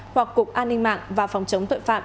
hoặc cục an ninh mạng và phòng chống tội phạm